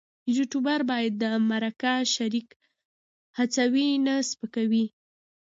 یوټوبر باید د مرکه شریک هڅوي نه سپکوي.